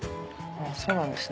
そうなんですね。